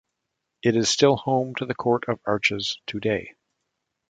It is still home to the Court of Arches today.